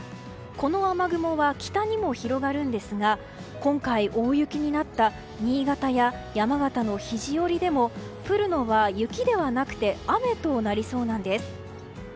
この雨雲は北にも広がるんですが今回、大雪になった新潟や山形の肘折でも降るのは雪ではなくて雨となりそうなんです。